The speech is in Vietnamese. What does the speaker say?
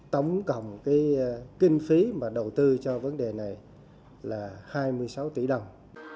tổng cộng kinh phí đầu tư cho vấn đề này là hai mươi sáu tỷ đồng